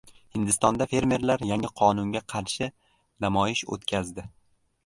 Hindistonda fermerlar yangi qonunga qarshi namoyish o‘tkazdi